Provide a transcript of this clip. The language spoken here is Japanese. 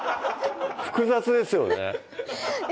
複雑ですよね